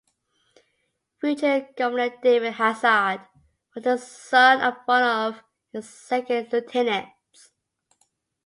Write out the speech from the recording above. Future Governor David Hazzard was the son of one of his second lieutenants.